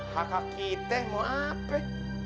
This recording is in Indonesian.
haka kiteh mau apa